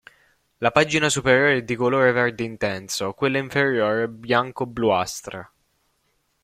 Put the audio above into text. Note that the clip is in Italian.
La pagina superiore è di colore verde intenso, quella inferiore bianco-bluastra.